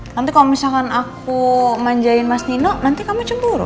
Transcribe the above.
nanti kalau misalkan aku manjain mas nino nanti kamu cemburu